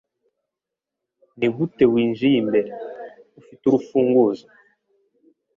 Nigute winjiye imbere? Ufite urufunguzo? (